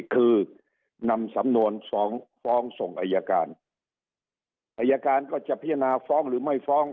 คือนำสำนวนสองฟ้องส่งอายการอายการก็จะพิจารณาฟ้องหรือไม่ฟ้อง